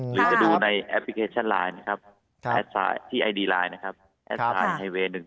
หรือจะดูในแอปพลิเคชันไลน์ที่ไอดีไลน์ไทเว๑๑๙๓